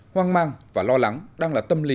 hoang mang và lo lắng đang là tâm lý